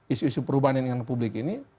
isu isu perubahan yang ingin publik ini